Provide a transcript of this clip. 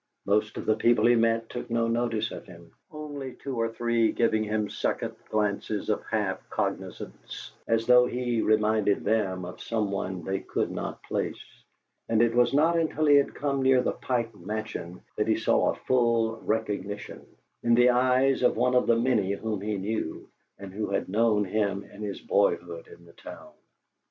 Most of the people he met took no notice of him, only two or three giving him second glances of half cognizance, as though he reminded them of some one they could not place, and it was not until he had come near the Pike Mansion that he saw a full recognition in the eyes of one of the many whom he knew, and who had known him in his boyhood in the town.